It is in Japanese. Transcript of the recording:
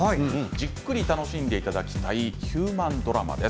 じっくり楽しんでいただきたいヒューマンドラマです。